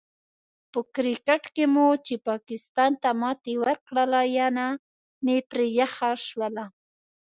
په کرکیټ کې مو چې پاکستان ته ماتې ورکړله، ینه مې پرې یخه شوله.